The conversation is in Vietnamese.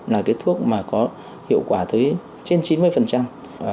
là cái thuốc mà có hiệu quả tới trên chín mươi